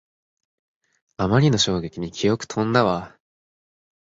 あまりの衝撃に記憶とんだわ